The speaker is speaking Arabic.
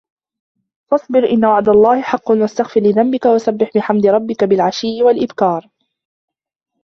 فَاصبِر إِنَّ وَعدَ اللَّهِ حَقٌّ وَاستَغفِر لِذَنبِكَ وَسَبِّح بِحَمدِ رَبِّكَ بِالعَشِيِّ وَالإِبكارِ